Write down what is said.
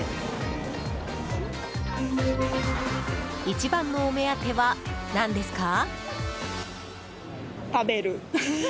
一番のお目当ては何ですか？